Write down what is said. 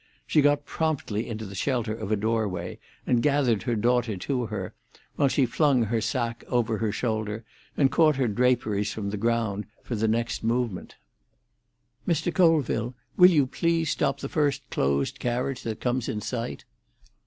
She got promptly into the shelter of a doorway, and gathered her daughter to her, while she flung her sacque over her shoulder and caught her draperies from the ground for the next movement. "Mr. Colville, will you please stop the first closed carriage that comes in sight?"